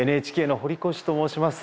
ＮＨＫの堀越と申します。